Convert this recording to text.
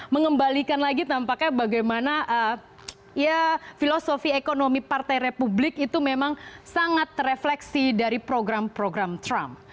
mengembalikan lagi tampaknya bagaimana ya filosofi ekonomi partai republik itu memang sangat refleksi dari program program trump